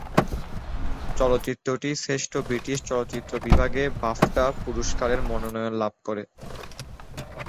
চলচ্চিত্রটি শ্রেষ্ঠ ব্রিটিশ চলচ্চিত্র বিভাগে বাফটা পুরস্কারের মনোনয়ন লাভ করে।